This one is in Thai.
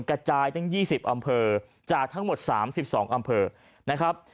กระจายตั้ง๒๐อำเภอจากทั้งหมด๓๒อำเภอนะครับ